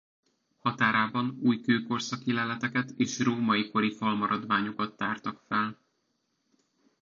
Határában újkőkorszaki leleteket és római kori falmaradványokat tártak fel.